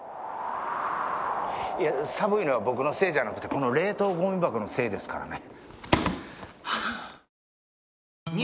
いや寒いのは僕のせいじゃなくてこの冷凍ゴミ箱のせいですからね。